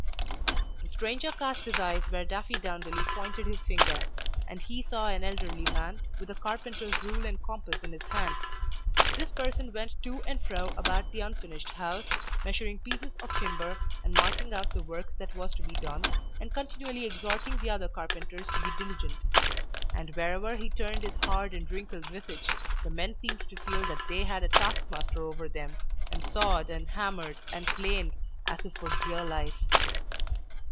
The stranger cast his eyes where Daffydowndilly pointed his finger; and he saw an elderly man, with a carpenter's rule and compass in his hand. This person went to and fro about the unfinished house, measuring pieces of timber and marking out the work that was to be done, and continually exhorting the other carpenters to be diligent. And wherever he turned his hard and wrinkled visage, the men seemed to feel that they had a task master over them, and sawed, and hammered, and planed, as if for dear life.